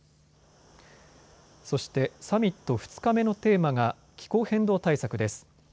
そしてサミット２日目のテーマが気候変動対策です。